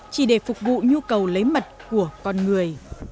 chỉ để phục vụ nhu cầu lấy mật của con người